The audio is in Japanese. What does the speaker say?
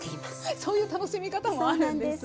そういう楽しみ方もあるんですね。